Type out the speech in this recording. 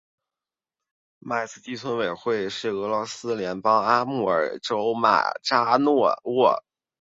迈斯基村委员会是俄罗斯联邦阿穆尔州马扎诺沃区所属的一个村委员会。